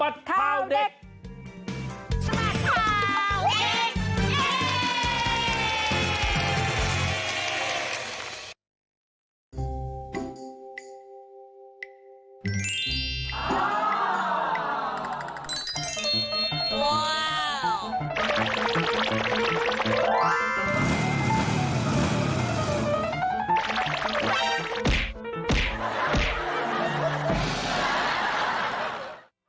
อยากติดตามแล้วไปดูกันเลยในช่วงสะบัดเท่าเด็ก